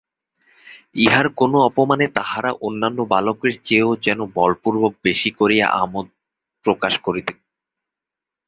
ইহার কোনো অপমানে তাহারা অন্যান্য বালকের চেয়েও যেন বলপূর্বক বেশি করিয়া আমোদ প্রকাশ করিত।